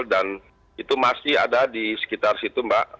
dan itu masih ada di sekitar situ mbak